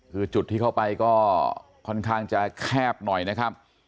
คือจุดที่เข้าไปก็ค่อนข้างจะแคบหน่อยนะครับ